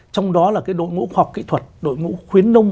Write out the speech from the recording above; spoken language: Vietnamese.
trong đó là cái đội ngũ khoa học kỹ thuật đội ngũ khuyến nông